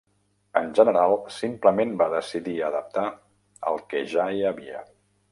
En general, simplement va decidir adaptar el que ja hi havia.